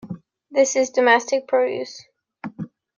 This is domestic produce.